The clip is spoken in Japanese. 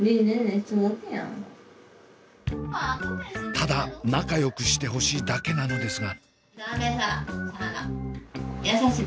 ただ仲よくしてほしいだけなのですが。